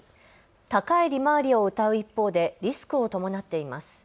高い利回りをうたう一方でリスクを伴っています。